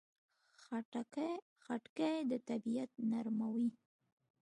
خټکی د طبعیت نرموي.